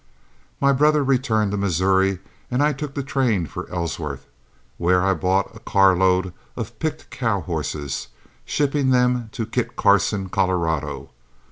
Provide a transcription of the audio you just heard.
My brother returned to Missouri, and I took the train for Ellsworth, where I bought a carload of picked cow horses, shipping them to Kit Carson, Colorado.